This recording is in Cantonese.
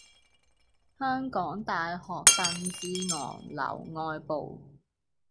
香港大學鄧志昂樓外部